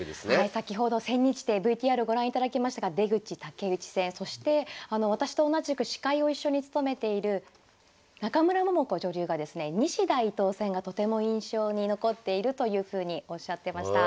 先ほど千日手ＶＴＲご覧いただきましたが出口・竹内戦そして私と同じく司会を一緒に務めている中村桃子女流がですね西田・伊藤戦がとても印象に残っているというふうにおっしゃってました。